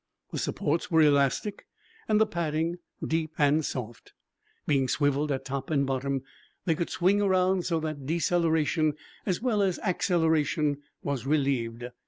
The supports were elastic and the padding deep and soft. Being swiveled at top and bottom, they could swing around so that deceleration as well as acceleration was relieved.